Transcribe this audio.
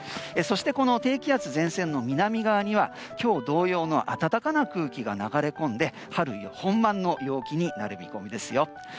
そして、この低気圧前線の南側には今日同様の暖かな空気が流れ込んで春本番の陽気になる見込みです。